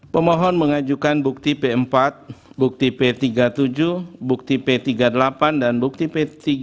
pemohon mengajukan bukti p empat bukti p tiga puluh tujuh bukti p tiga puluh delapan dan bukti p tiga